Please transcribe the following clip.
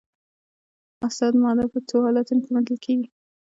استاده ماده په څو حالتونو کې موندل کیږي